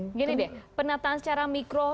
begini deh penataan secara mikro